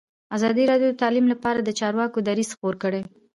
ازادي راډیو د تعلیم لپاره د چارواکو دریځ خپور کړی.